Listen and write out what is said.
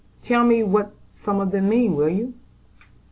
Tell me what some of them mean: will you?"